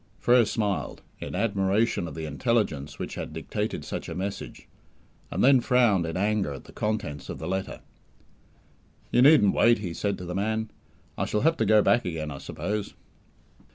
Frere smiled, in admiration of the intelligence which had dictated such a message, and then frowned in anger at the contents of the letter. "You needn't wait," he said to the man. "I shall have to go back again, I suppose."